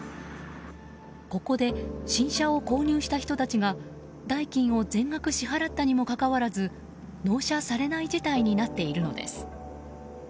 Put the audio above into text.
ここで新車を購入した人たちが代金を全額支払ったにもかかわらず納車されない事態になっているのです。